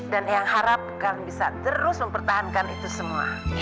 dan eyang harap kalian bisa terus mempertahankan itu semua